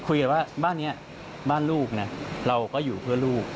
คุยกันว่าบ้านนี้บ้านลูกนะเราก็อยู่เพื่อลูก